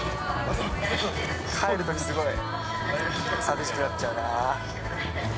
帰るときすごい寂しくなっちゃうな。